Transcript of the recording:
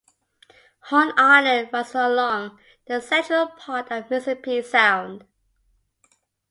Horn Island runs for along the central part of the Mississippi Sound.